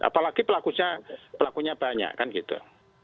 apalagi pelakunya banyak kan gitu